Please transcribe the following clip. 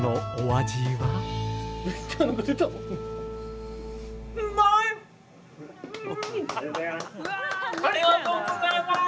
ありがとうございます！